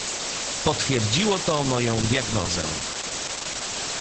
"Potwierdziło to moją diagnozę."